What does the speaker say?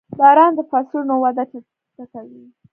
• باران د فصلونو وده چټکوي.